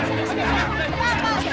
tidur dia sudah mati